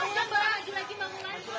mau lancar ibu